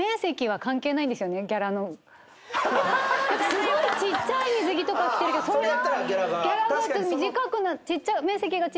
すごいちっちゃい水着とか着てるけどそれはギャラが。